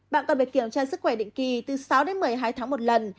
bạn còn phải kiểm tra sức khỏe định kỳ từ sáu đến một mươi hai tháng một lần